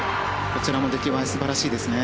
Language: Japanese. こちらも出来栄え素晴らしいですね。